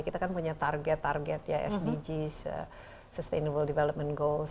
kita kan punya target target ya sdgs sustainable development goals